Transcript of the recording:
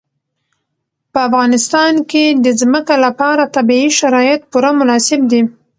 په افغانستان کې د ځمکه لپاره طبیعي شرایط پوره مناسب دي.